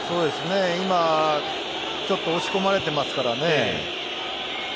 今、ちょっと押し込まれてますからね。